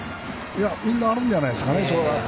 みんなあるんじゃないですか